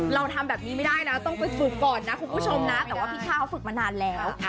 เราทำแบบนี้ไม่ได้นะต้องไปฝึกก่อนนะคุณผู้ชมนะแต่ว่าพี่ช่าเขาฝึกมานานแล้ว